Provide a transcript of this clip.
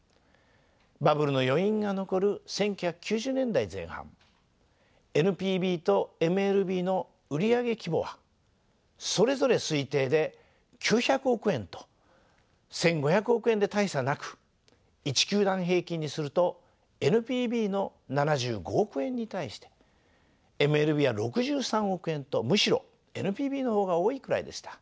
バブルの余韻が残る１９９０年代前半ＮＰＢとＭＬＢの売り上げ規模はそれぞれ推定で９００億円と１，５００億円で大差なく１球団平均にするとＮＰＢの７５億円に対してＭＬＢは６３億円とむしろＮＰＢの方が多いくらいでした。